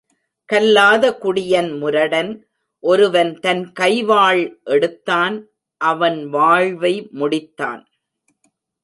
கல்லாத குடியன் முரடன் ஒருவன் தன் கைவாள் எடுத்தான் அவன் வாழ்வை முடித்தான்.